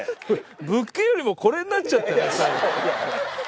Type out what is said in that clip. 物件よりもこれになっちゃったな最後。